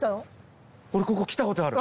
俺ここ来たことある。